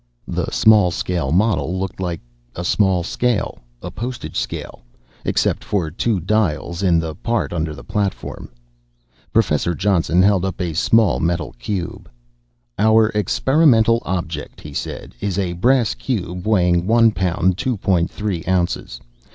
The small scale model looked like a small scale a postage scale except for two dials in the part under the platform. Professor Johnson held up a small metal cube. "Our experimental object," he said, "is a brass cube weighing one pound, two point three ounces.